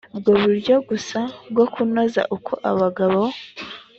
bwo buryo gusa bwo kunoza uko abagabo